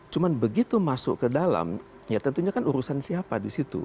cuma begitu masuk ke dalam ya tentunya kan urusan siapa di situ